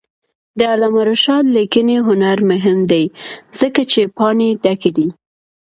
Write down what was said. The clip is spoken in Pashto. د علامه رشاد لیکنی هنر مهم دی ځکه چې پاڼې ډکې دي.